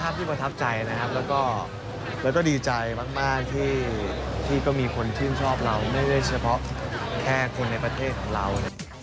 ไม่ได้เฉพาะแค่คนในประเทศเรา